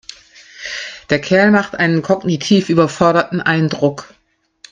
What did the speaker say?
Der Kerl macht einen kognitiv überforderten Eindruck.